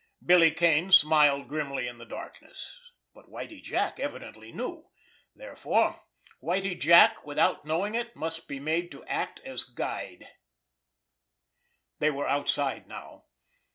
Billy Kane smiled grimly in the darkness. But Whitie Jack evidently knew. Therefore Whitie Jack, without knowing it, must be made to act as guide! They were outside now.